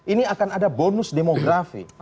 ini akan ada bonus demografi